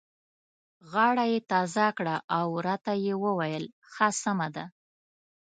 غاړه یې تازه کړه او راته یې وویل: ښه سمه ده.